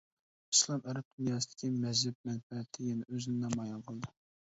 ئىسلام ئەرەب دۇنياسىدىكى مەزھەپ مەنپەئەتى يەنە ئۆزىنى نامايان قىلدى.